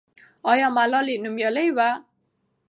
آیا ملالۍ نومیالۍ وه؟